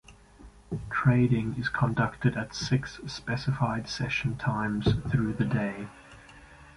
Trading is conducted at six specified session times through the day.